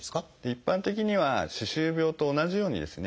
一般的には歯周病と同じようにですね